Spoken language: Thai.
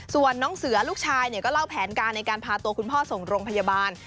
ส่วนน้องเสือลูกชายก็เล่าแผนการในการพาตัวคุณพ่อส่งโรงพยาบาล